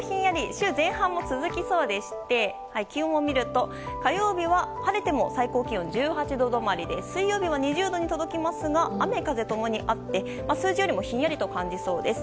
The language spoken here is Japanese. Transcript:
週前半も続きそうで気温を見ると火曜日は晴れても最高気温１８度止まりで水曜日は２０度に届きますが雨風共にあって数字よりもヒンヤリと感じそうです。